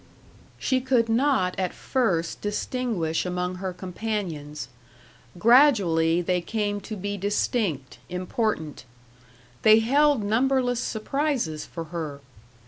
She could not at first distinguish among her companions. Gradually they came to be distinct, important. They held numberless surprises for her.